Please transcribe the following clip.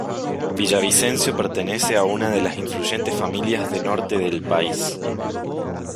Villavicencio pertenece a una de las influyentes familias de norte del país.